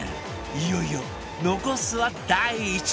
いよいよ残すは第１位！